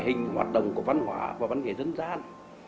hình hoạt động của văn hóa và văn nghệ dân gian